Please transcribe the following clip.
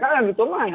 kpk yang gitu mah